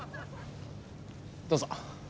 どうぞ。